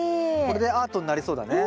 これでアートになりそうだね。